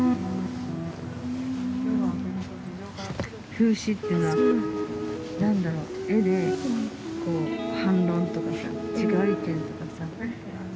風刺っていうのは何だろう絵でこう反論とかさ違う意見とかさ漫画で。